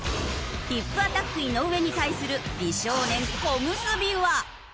ヒップアタック井上に対する美少年小結は。